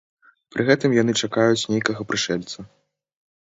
Пры гэтым яны чакаюць нейкага прышэльца.